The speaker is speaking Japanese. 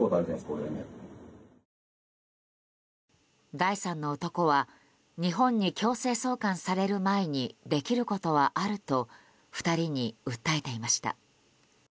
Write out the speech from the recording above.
第三の男は日本に強制送還される前にできることはあると２人に訴えていました。